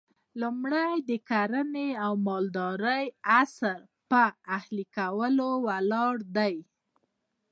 لومړی د کرنې او مالدارۍ عصر پر اهلي کولو ولاړ دی